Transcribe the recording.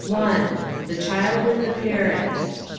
THE CHILD WITH THE PARENT.